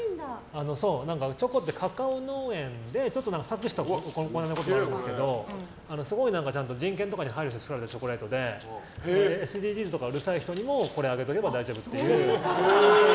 チョコってカカオ農園で搾取しているところもあるんですがすごい人権とかに配慮されて作られたチョコレートでＳＤＧｓとかうるさい人にもこれあげておけば大丈夫。